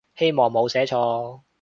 希望冇寫錯